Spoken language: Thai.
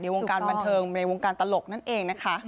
วงการบันเทิงในวงการตลกนั่นเองนะคะ